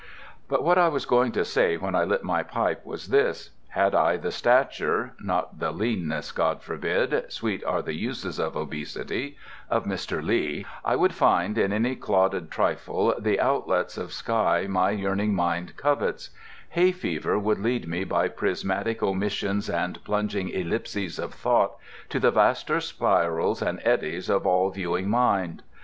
But what I was going to say when I lit my pipe was this: had I the stature (not the leanness, God forbid: sweet are the uses of obesity) of Mr. Lee, I could find in any clodded trifle the outlets of sky my yearning mind covets: hay fever would lead me by prismatic omissions and plunging ellipses of thought to the vaster spirals and eddies of all viewing Mind.